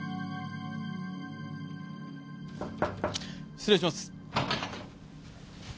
失礼します。